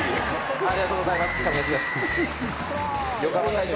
ありがとうございます、上重さん。